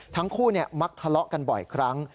ทั้งคู่มักทะเลาะกันบ่อยครั้ง